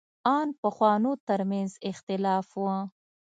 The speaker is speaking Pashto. ان پخوانو تر منځ اختلاف و.